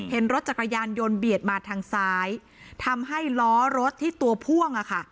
เห็นรถจักรยานยนต์เบียดมาทางซ้ายทำให้ล้อรถที่ตัวพ่วงอ่ะค่ะ